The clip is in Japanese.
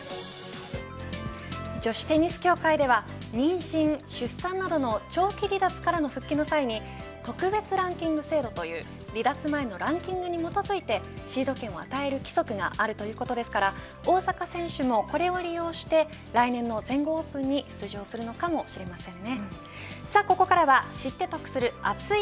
女子テニス協会では妊娠出産などの長期離脱からの復帰の際に特別ランキング制度という離脱前のランキングに基づいてシード権を与える規則がある、ということですから大坂選手もこれを利用して来年の全豪オープンに出場するのかもしれませんね。